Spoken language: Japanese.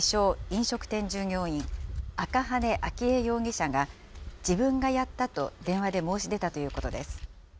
飲食店従業員、赤羽純依容疑者が自分がやったと電話で申し出たということです。